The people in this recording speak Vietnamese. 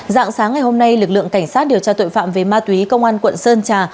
dạng sáng ngày hôm nay lực lượng cảnh sát điều tra tội phạm về ma túy công an quận sơn trà